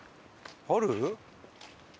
ある？